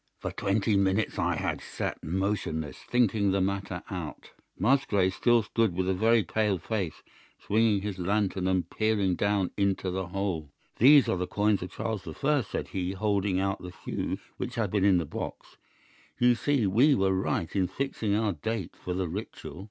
"For twenty minutes I had sat motionless, thinking the matter out. Musgrave still stood with a very pale face, swinging his lantern and peering down into the hole. "'These are coins of Charles the First,' said he, holding out the few which had been in the box; 'you see we were right in fixing our date for the Ritual.